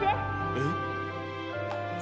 えっ。